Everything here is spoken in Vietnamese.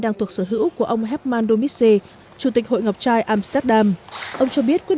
đang thuộc sở hữu của ông hermann domitze chủ tịch hội ngọc trai amsterdam ông cho biết quyết